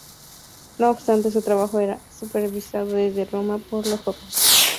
No obstante, su trabajo era supervisado desde Roma por los papas.